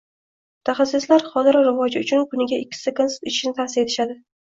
. Mutaxassislar xotira rkivoji uchun kuniga ikki stakan sut ichishni tavsiya etishadi.